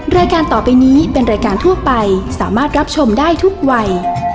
รายการต่อไปนี้เป็นรายการทั่วไปสามารถรับชมได้ทุกวัย